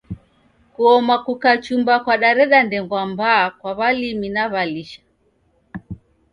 Kuoma kukachumba kwadareda ndengwa mbaa kwa walimi na walisha.